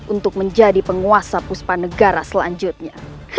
untuk menjadi penguasa puspa negara selanjutnya